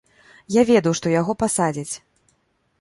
Я ведаў, што яго пасадзяць.